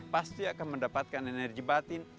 pasti akan mendapatkan energi batin